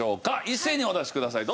一斉にお出しください。